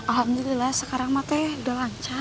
alhamdulillah sekarang matanya udah lancar